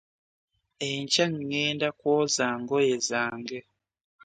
Enkya ngenda kwoza ngoye zange.